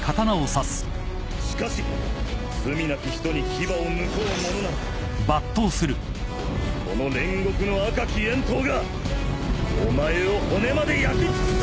しかし罪なき人に牙をむこうものならこの煉獄の赫き炎刀がお前を骨まで焼き尽くす！